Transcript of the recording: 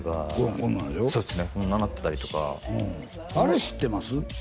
こんなんなってたりとかあれ知ってます？